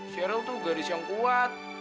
zeril tuh gadis yang kuat